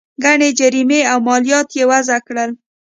ګڼې جریمې او مالیات یې وضعه کړل.